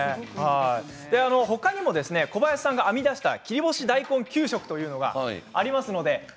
他にも小林さんが編み出した切り干し大根給食というのがあります。